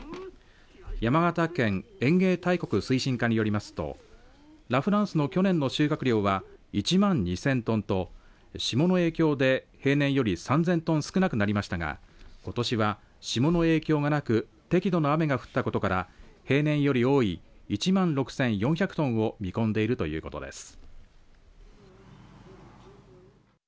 山形県園芸大国推進課によりますとラ・フランスの去年の収穫量は１万２０００トンと霜の影響で平年より３０００トン少なくなりましたがことしは霜の影響がなく適度な雨が降ったことから平年より多い１万６４００トンを見込んでいるということです。